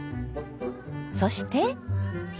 そして。